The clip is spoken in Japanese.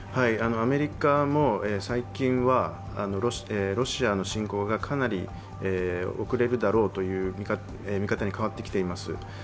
アメリカも最近はロシアの侵攻がかなり遅れるだろうという見方に変わってきています。